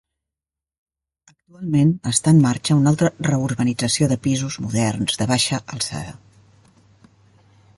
Actualment està en marxa una altra reurbanització de pisos moderns de baixa alçada.